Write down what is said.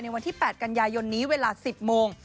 วันที่๘กันยายนนี้เวลา๑๐โมง